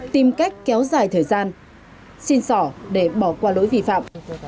tìm cách kéo dài thời gian xin sỏ để bỏ qua lỗi vi phạm